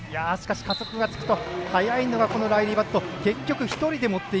加速がつくと速いのがライリー・バット。